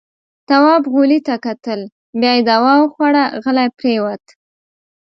تواب غولي ته کتل. بيا يې دوا وخوړه، غلی پرېووت.